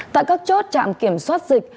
tại các chốt trạm kiểm soát dịch